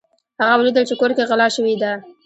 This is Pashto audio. هغه ولیدل چې کور کې غلا شوې ده.